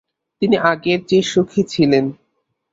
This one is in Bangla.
তিনি আগের চেয়ে সুখী ছিলেন।